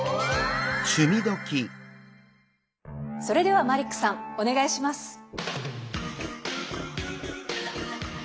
それではマリックさんお願いします。